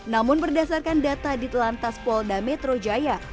namun berdasarkan data ditelan tas polda metro jaya